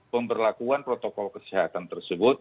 pemberlakuan protokol kesehatan tersebut